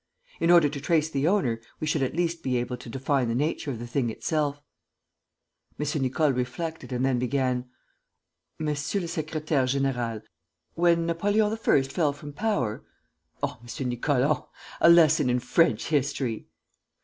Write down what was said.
In order to trace the owner, we should at least be able to define the nature of the thing itself." M. Nicole reflected and then began: "Monsieur le secrétaire; général, when Napoleon I fell from power...." "Oh, M. Nicole, oh, a lesson in French history!"